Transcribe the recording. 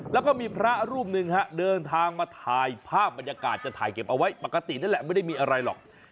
แล้วก็มีพระรูปหนึ่งฮะเดินทางมาถ่ายภาพบรรยากาศจะถ่ายเก็บเอาไว้ปกตินั่นแหละไม่ได้มีอะไรหรอก